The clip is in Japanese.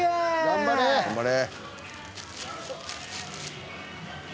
頑張れ。